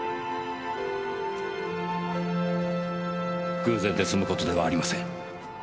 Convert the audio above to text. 偶然で済む事ではありません。